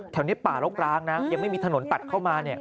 แถวนี้ป่ารกร้างนะยังไม่มีถนนตัดเข้ามาเนี่ย